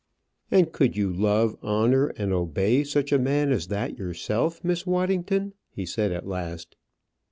"And could you love, honour, and obey such a man as that, yourself, Miss Waddington?" he said at last.